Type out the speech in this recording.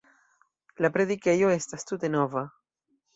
La predikejo estas tute nova.